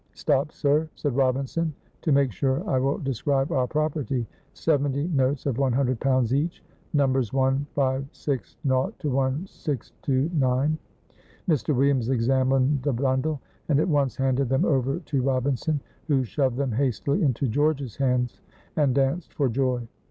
"Stop, sir!" said Robinson, "to make sure I will describe our property seventy notes of one hundred pounds each. Numbers one five six naught to one six two nine." Mr. Williams examined the bundle, and at once handed them over to Robinson, who shoved them hastily into George's hands and danced for joy.